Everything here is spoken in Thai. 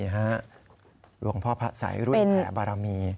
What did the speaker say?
หลวงพ่อพระสัยรุ่นแผ่บารมี